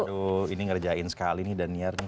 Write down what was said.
aduh ini ngerjain sekali nih dan nyarnya